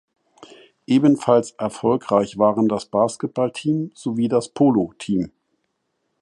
Ebenfalls erfolgreich waren das Basketballteam sowie das Polo-Team.